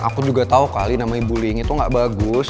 aku juga tahu kali namanya bullying itu gak bagus